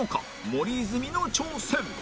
森泉の挑戦